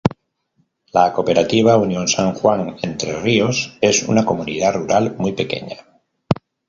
La Cooperativa Unión San Juan, Entre Ríos, es una comunidad rural muy pequeña.